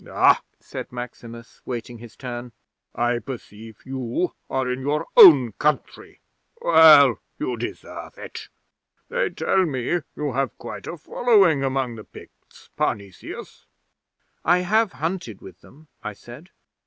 '"Ah!" said Maximus, waiting his turn. "I perceive you are in your own country. Well, you deserve it. They tell me you have quite a following among the Picts, Parnesius." '"I have hunted with them," I said.